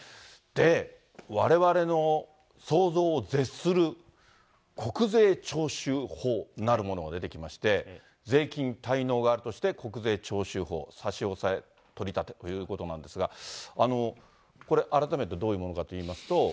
で、われわれの想像を絶する国税徴収法なるものが出てきまして、税金滞納があるとして、国税徴収法、差し押さえ・取り立てということなんですが、これ、改めてどういうものかといいますと。